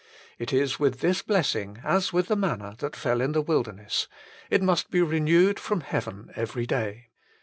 It is with this blessing as with the manria that fell in the wilderness: it must be renewed from heaven every day.